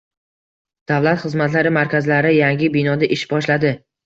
Davlat xizmatlari markazlari yangi binoda ish boshladi